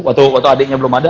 waktu adiknya belum ada